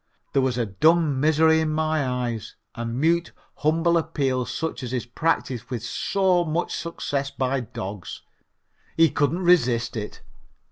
There was a dumb misery in my eyes, a mute, humble appeal such as is practised with so much success by dogs. He couldn't resist it.